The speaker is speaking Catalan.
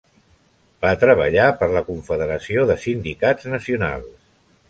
Va treballar per la Confederació de Sindicats Nacionals.